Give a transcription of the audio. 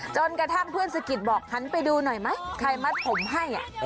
จนกระทั่งเพื่อนสะกิดบอกหันไปดูหน่อยไหมใครมัดผมให้